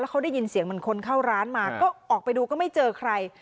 แล้วเขาได้ยินเสียงบรรคลเข้าร้านมาก็ออกไปดูก็ไม่เจอใคร